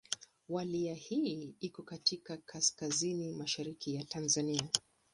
Wilaya hii iko katika kaskazini mashariki ya Tanzania.